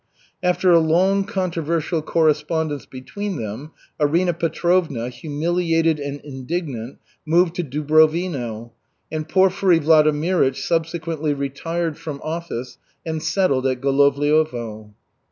After a long controversial correspondence between them, Arina Petrovna, humiliated and indignant, moved to Dubrovino, and Porfiry Vladimirych subsequently retired from office and settled at Golovliovo.